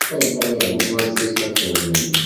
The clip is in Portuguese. O que você tá fazendo?